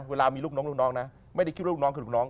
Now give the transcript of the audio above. เวลามีลูกน้องลูกน้องนะไม่ได้คิดว่าลูกน้องคือลูกน้อง